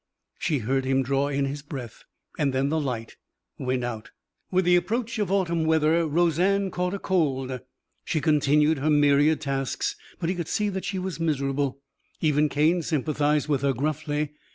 She heard him draw in his breath. Then the light went out. With the approach of autumn weather Roseanne caught a cold. She continued her myriad tasks, but he could see that she was miserable. Even Cane sympathized with her gruffly.